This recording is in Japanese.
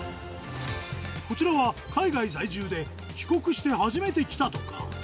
こちらは、海外在住で帰国して初めて来たとか。